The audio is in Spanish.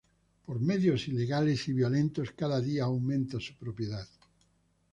Por medios ilegales y violentos, cada día aumenta su propiedad.